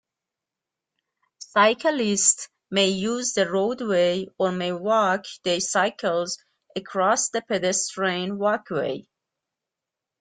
Cyclists may use the roadway or may walk their cycles across the pedestrian walkway.